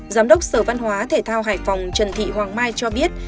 giám đốc sở văn hóa thể thao hải phòng trần thị hoàng mai cho biết